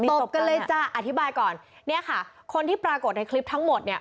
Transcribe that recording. ตบกันเลยจ้ะอธิบายก่อนเนี่ยค่ะคนที่ปรากฏในคลิปทั้งหมดเนี่ย